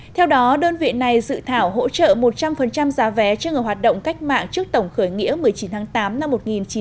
theo đó đơn vị này dự thảo hỗ trợ một trăm linh giá vé cho người hoạt động cách mạng trước tổng khởi nghĩa một mươi chín tháng tám năm một nghìn chín trăm bốn mươi năm